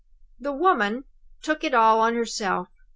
The woman took it all on herself.